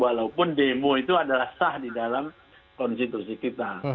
walaupun demo itu adalah sah di dalam konstitusi kita